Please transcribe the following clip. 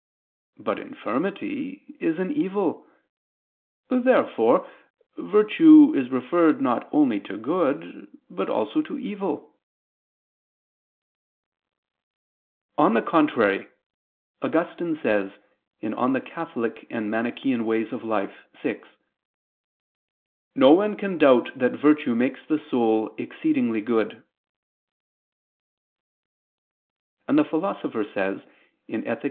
But infirmity is an evil. Therefore virtue is referred not only to good, but also to evil. On the contrary, Augustine says (De Moribus Eccl. vi): "No one can doubt that virtue makes the soul exceeding good": and the Philosopher says (Ethic.